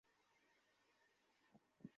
হ্যাঁ, নিও কোথায়?